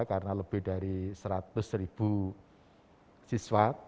karena lebih dari seratus ribu siswa